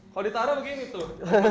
kalau ditaruh begini tuh